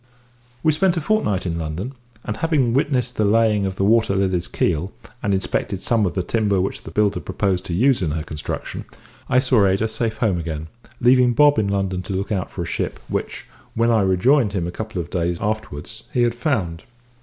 We spent a fortnight in London, and, having witnessed the laying of the Water Lily's keel, and inspected some of the timber which the builder proposed to use in her construction, I saw Ada safe home again, leaving Bob in London to look out for a ship, which, when I rejoined him a couple of days afterwards, he had found.